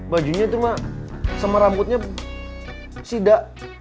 bajunya tuh mah sama rambutnya sida